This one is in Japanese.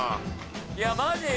いやマジで？